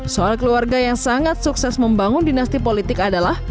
soal keluarga yang sangat sukses membangun dinasti politik adalah